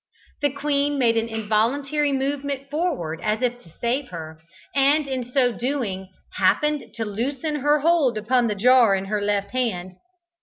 The queen made an involuntary movement forward as if to save her, and in so doing happened to loosen her hold upon the jar in her left hand.